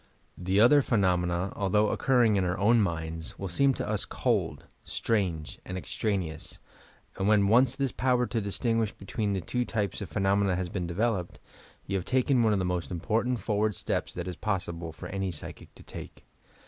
The other phenomena, although oc curring in our own minds, will seem to us cold, strange and extraneous, and when once this power to distinguish between the two types of phenomena has been developed, you have taken one of the most important forward steps that is possible for any psychic to take.